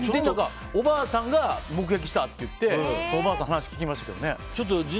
おばあさんが目撃したって言っておばあさんに話を聞きましたけどね。